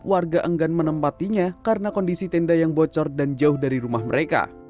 warga enggan menempatinya karena kondisi tenda yang bocor dan jauh dari rumah mereka